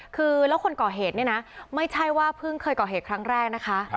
คือแล้วคนก่อเหตุเนี่ยนะไม่ใช่ว่าเพิ่งเคยก่อเหตุครั้งแรกนะคะ